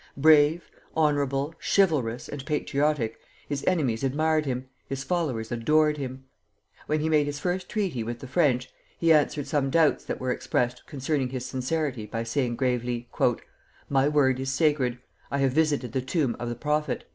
Brave, honorable, chivalrous, and patriotic, his enemies admired him, his followers adored him. When he made his first treaty with the French, he answered some doubts that were expressed concerning his sincerity by saying gravely: "My word is sacred; I have visited the tomb of the Prophet."